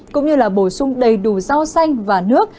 cũng như là bổ sung đầy đủ rau xanh và nước